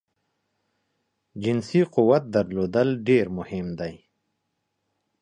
جنسی قوت درلودل ډیر مهم دی